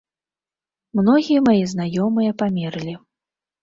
Многія мае знаёмыя памерлі.